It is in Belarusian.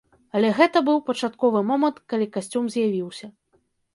Але гэта быў пачатковы момант, калі касцюм з'явіўся.